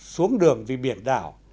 xuống đường vì biển đảo